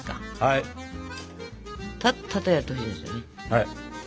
はい。